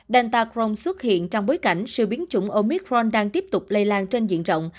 delta crohn xuất hiện trong bối cảnh sự biến chủng omicron đang tiếp tục lây lan trên diện rộng